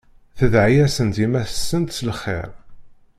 Tedɛa-yasent yemma-tsent s lxir.